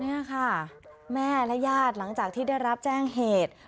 นี่ค่ะแม่และญาติหลังจากที่ได้รับแจ้งเหตุ